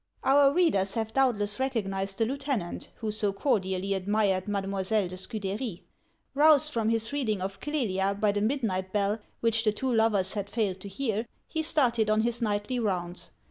Our readers have doubtless recognized the lieutenant, who so cordially admired Mademoiselle de Scude'ry. Roused from his reading of " Clelia " by the midnight bell, which the two lovers had failed to hear, he started on his nightly rounds.